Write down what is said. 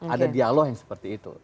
ada dialog yang seperti itu